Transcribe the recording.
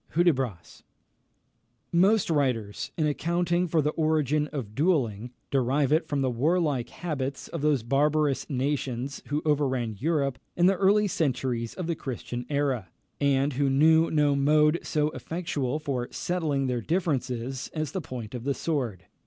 Hudibras. Most writers, in accounting for the origin of duelling, derive it from the warlike habits of those barbarous nations who overran Europe in the early centuries of the Christian era, and who knew no mode so effectual for settling their differences as the point of the sword.